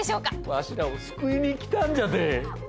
わしらを救いに来たんじゃって。